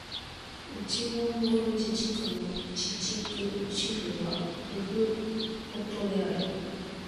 内モンゴル自治区の自治区首府はフフホトである